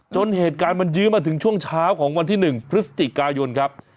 เหตุการณ์มันยื้อมาถึงช่วงเช้าของวันที่๑พฤศจิกายนครับ